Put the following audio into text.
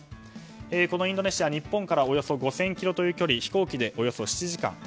インドネシアは日本からおよそ５０００ｋｍという距離飛行機でおよそ７時間。